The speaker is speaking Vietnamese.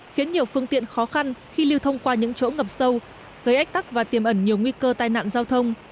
khiến nhiều phương tiện khó khăn khi lưu thông qua những chỗ ngập sâu gây ách tắc và tiềm ẩn nhiều nguy cơ tai nạn giao thông